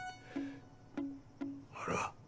あら。